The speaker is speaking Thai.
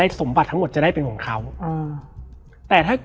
แล้วสักครั้งหนึ่งเขารู้สึกอึดอัดที่หน้าอก